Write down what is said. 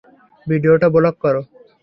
ভিডিওটা ব্লক করো।